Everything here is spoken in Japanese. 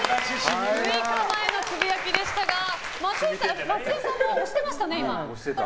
６日前のつぶやきでしたが増井さんも押してましたね、今。